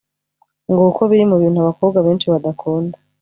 ngo kuko biri mu bintu abakobwa benshi badakunda